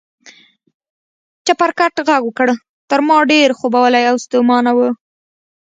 چپرکټ غږ وکړ، تر ما ډېر خوبولی او ستومانه و.